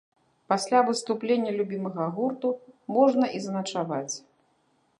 Пасля выступлення любімага гурту можна і заначаваць.